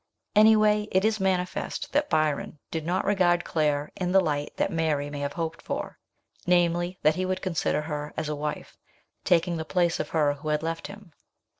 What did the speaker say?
Anyway, it is manifest that Byron did not regard Claire in the light that Mary may have hoped for namely, that he would consider her as a wife, taking the place of her who had left him.